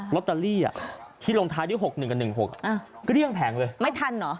ลอตเตอรี่ที่ลงท้ายด้วย๖๑กับ๑๖เกลี้ยงแผงเลยไม่ทันเหรอ